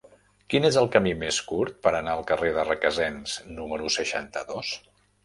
Quin és el camí més curt per anar al carrer de Requesens número seixanta-dos?